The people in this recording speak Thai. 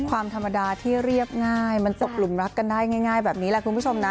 ความธรรมดาที่เรียบง่ายมันตกหลุมรักกันได้ง่ายแบบนี้แหละคุณผู้ชมนะ